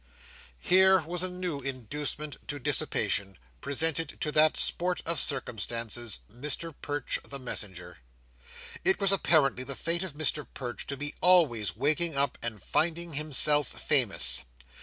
Here was a new inducement to dissipation, presented to that sport of circumstances, Mr Perch the Messenger! It was apparently the fate of Mr Perch to be always waking up, and finding himself famous.